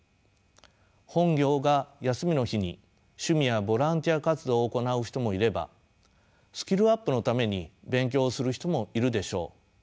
本業が休みの日に趣味やボランティア活動を行う人もいればスキルアップのために勉強をする人もいるでしょう。